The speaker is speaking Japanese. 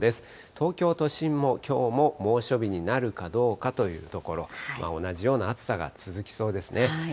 東京都心も、きょうも猛暑日になるかどうかというところ、同じような暑さが続きそうですね。